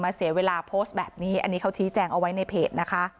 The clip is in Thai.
เสียเวลาโพสต์แบบนี้อันนี้เขาชี้แจงเอาไว้ในเพจนะคะ